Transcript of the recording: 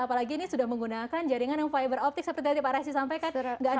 apalagi ini sudah menggunakan jaringan yang fiber optic seperti yang pak resi sampaikan